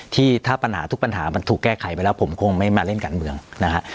ที่ถ้าปัญหาทุกปัญหามันถูกแก้ไขไปแล้วผมคงไม่มาเล่นการเมืองนะฮะ